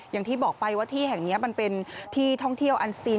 อย่างที่บอกไปว่าที่แห่งนี้มันเป็นที่ท่องเที่ยวอันซีน